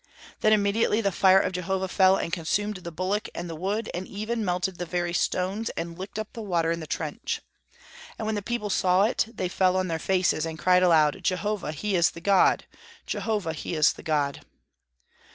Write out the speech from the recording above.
Then immediately the fire of Jehovah fell and consumed the bullock and the wood, even melted the very stones, and licked up the water in the trench. And when the people saw it, they fell on their faces, and cried aloud, "Jehovah, he is the God! Jehovah, he is the God!"